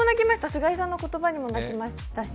菅井さんの言葉にも泣きましたし、